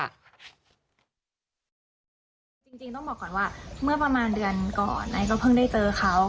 จริงต้องบอกก่อนว่าเมื่อประมาณเดือนก่อนไอก็เพิ่งได้เจอเขา